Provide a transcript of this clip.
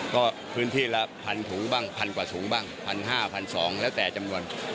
ก็พื้นที่ละ๑๐๐ถุงบ้างพันกว่าถุงบ้าง๑๕๐๐๒๐๐แล้วแต่จำนวน